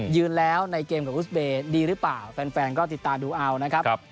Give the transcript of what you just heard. ยืนแล้วในเกมกับอุสเบย์ดีหรือเปล่าแฟนก็ติดตามดูเอานะครับ